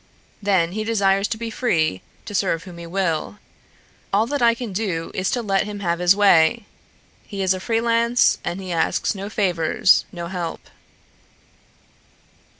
Then he desires to be free to serve whom he will. All that I can do is to let him have his way. He is a freelance and he asks no favors, no help."